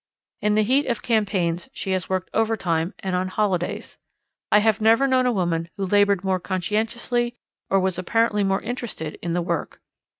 In the heat of campaigns she has worked overtime and on holidays. I have never known a woman who laboured more conscientiously or was apparently more interested in the work.